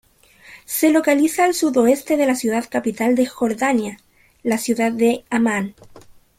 Se localiza al sudoeste de la ciudad capital de Jordania, la ciudad de Ammán.